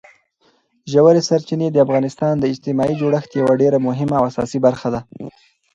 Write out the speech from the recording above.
ژورې سرچینې د افغانستان د اجتماعي جوړښت یوه ډېره مهمه او اساسي برخه ده.